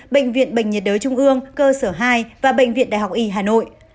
bệnh viện bệnh nhiệt đới trung ương cơ sở hai và bệnh viện đại học y hà nội